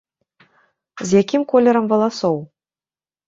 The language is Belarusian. З якім колерам валасоў?